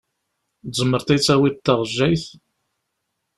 Tzemreḍ ad yid-tawiḍ taɣejayt?